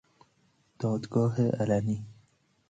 دادگاه علنی